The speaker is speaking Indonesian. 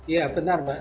ya benar pak